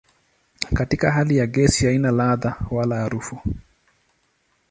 Katika hali ya gesi haina ladha wala harufu.